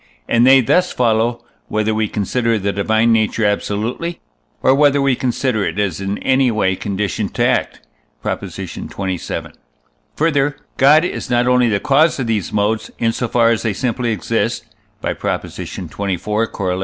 and they thus follow, whether we consider the divine nature absolutely, or whether we consider it as in any way conditioned to act (Prop. xxvii.). Further, God is not only the cause of these modes, in so far as they simply exist (by Prop. xxiv, Coroll.)